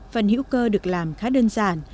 phần hữu cơ được làm khá đơn giản